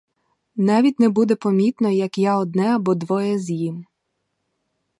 Навіть не буде помітно, як я одне або двоє з'їм.